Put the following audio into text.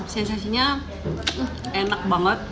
sensasinya enak banget